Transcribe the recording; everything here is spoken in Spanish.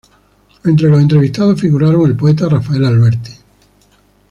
Entre los entrevistados figuraron el poeta Rafael Alberti.